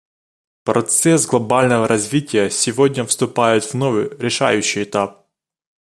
Процесс глобального развития сегодня вступает в новый решающий этап.